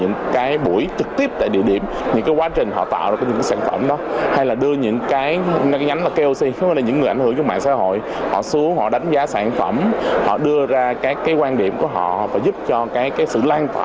họ xuống họ đánh giá sản phẩm họ đưa ra các quan điểm của họ và giúp cho sự lan tỏa